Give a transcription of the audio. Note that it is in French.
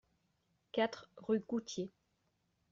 quatre rue Coutié